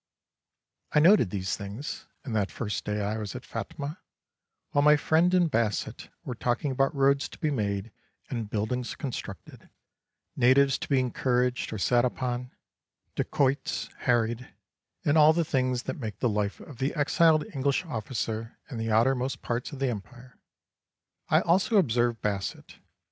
I noted these things in that first day I was at Phatmah, while my friend and Basset were talking about roads to be made and buildings constructed, natives to be encouraged or sat upon, dacoits harried, and all the things that make the life of the exiled English officer in the outermost parts of the Empire. I also observed Basset.